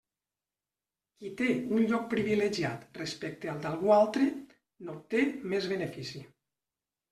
Qui té un lloc privilegiat respecte al d'algú altre, n'obté més benefici.